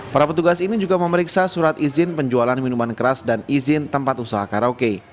para petugas ini juga memeriksa surat izin penjualan minuman keras dan izin tempat usaha karaoke